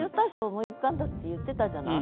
思い浮かんだって言ってたじゃない。